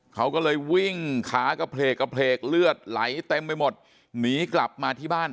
เขาก็เลยวิ่งขากระเพลกกระเพลกเลือดไหลเต็มไปหมดหนีกลับมาที่บ้าน